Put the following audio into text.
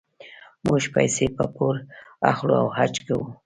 موږ پیسې په پور اخلو او حج کوو.